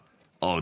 あ。